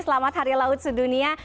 selamat hari laut sedunia